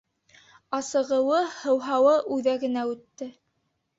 Асығыуы, һыуһауы үҙәгенә үтте.